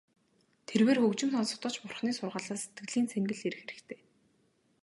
Тэрбээр хөгжим сонсохдоо ч Бурханы сургаалаас сэтгэлийн цэнгэл эрэх хэрэгтэй.